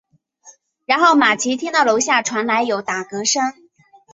然后玛琦听到楼下传来有打嗝声。